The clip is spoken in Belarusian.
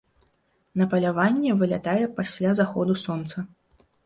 На паляванне вылятае пасля заходу сонца.